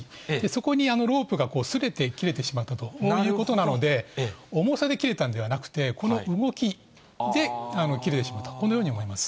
そこにロープがすれて切れてしまったということなので、重さで切れたんではなくて、この動きで切れてしまったと、このように思います。